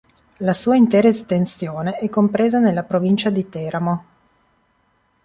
La sua intera estensione è compresa nella provincia di Teramo.